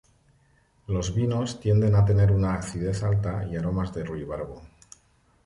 Los vinos tienden a tener una acidez alta y aromas a ruibarbo.